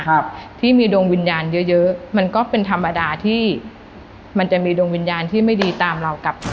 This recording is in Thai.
ครับที่มีดวงวิญญาณเยอะเยอะมันก็เป็นธรรมดาที่มันจะมีดวงวิญญาณที่ไม่ดีตามเรากลับมา